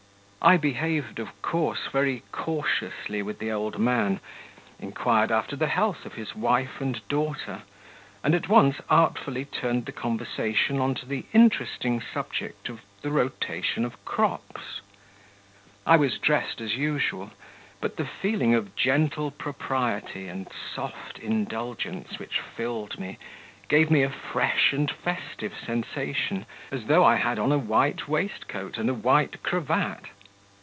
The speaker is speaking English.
I behaved, of course, very cautiously with the old man, inquired after the health of his wife and daughter, and at once artfully turned the conversation on to the interesting subject of the rotation of crops. I was dressed as usual, but the feeling of gentle propriety and soft indulgence which filled me gave me a fresh and festive sensation, as though I had on a white waistcoat and a white cravat.